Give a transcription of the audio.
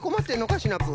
シナプー。